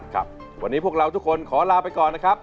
ครับวันนี้พวกเราทุกคนขอลาไปก่อนนะครับ